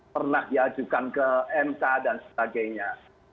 pernah diajukan ke mk dan sebagainya